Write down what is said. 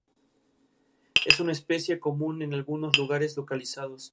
Es una especie común en algunos lugares localizados.